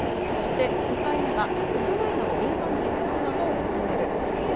そして、２回目がウクライナの民間人保護などを求める。